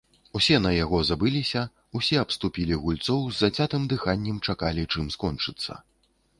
Усе на яго забыліся, усе абступілі гульцоў, з зацятым дыханнем чакалі, чым скончыцца.